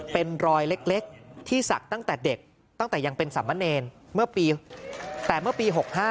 เป็นรอยเล็กที่ศักดิ์ตั้งแต่เด็กตั้งแต่ยังเป็นสามเณรแต่เมื่อปี๖๕